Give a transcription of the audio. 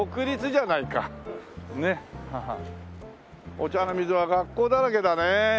御茶ノ水は学校だらけだね。